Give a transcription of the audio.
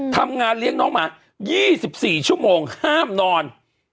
ทำงานเลี้ยงน้องหมา๒๔ชั่วโมงห้ามนอน